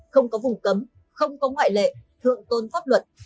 không có vùng cấm không có ngoại lệ thượng tôn pháp luật